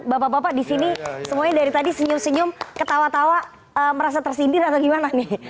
bapak bapak di sini semuanya dari tadi senyum senyum ketawa tawa merasa tersindir atau gimana nih